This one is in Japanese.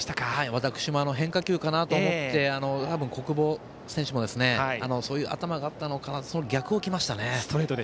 私も変化球かと思って多分小久保選手もそういう頭があったのかなと。